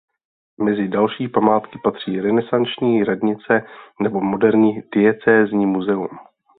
Mezi další památky patří renesanční radnice nebo moderní Diecézní muzeum.